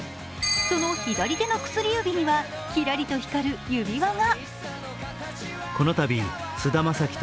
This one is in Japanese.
その左手の薬指にはキラリと光る指輪が。